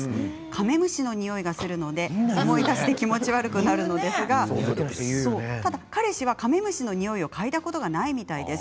カメムシの匂いがするので思い出して気持ち悪くなるんですがただ彼氏はカメムシの匂いを嗅いだことがないみたいです。